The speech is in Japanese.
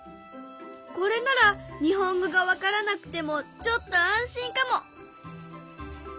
これなら日本語がわからなくてもちょっと安心かも！